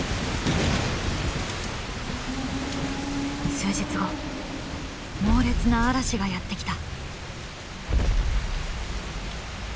数日後猛烈な嵐がやって来た。